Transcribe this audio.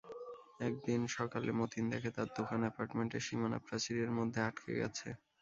একদিন সকালে মতিন দেখে, তার দোকান অ্যাপার্টমেন্টের সীমানাপ্রাচীরের মধ্যে আটকে গেছে।